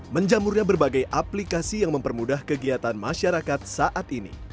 menjamurnya berbagai aplikasi yang mempermudah kegiatan masyarakat saat ini